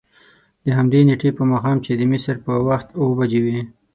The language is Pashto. د همدې نېټې په ماښام چې د مصر په وخت اوه بجې وې.